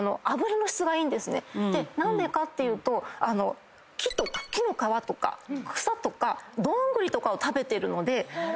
何でかっていうと木とか木の皮とか草とかどんぐりとかを食べてるので。